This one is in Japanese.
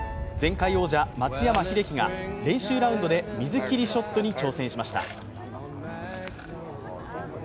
前回王者・松山英樹が練習ラウンドで水切りショットに挑戦しました。